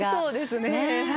そうですね。